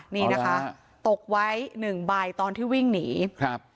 นี่นะคะตกไว้หนึ่งใบตอนที่วิ่งหนีครับ